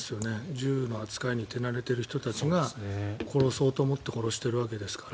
銃の扱いに手慣れてる人たちが殺そうと思って殺してるわけですから。